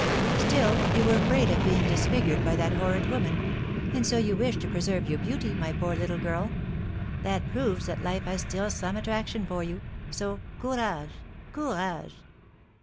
"Still you were afraid of being disfigured by that horrid woman; and so you wish to preserve your beauty, my poor little girl. That proves that life has still some attraction for you; so courage! Courage!"